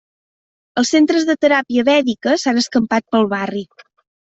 Els centres de teràpia vèdica s'han escampat pel barri.